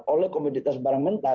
oleh komoditas barang mentah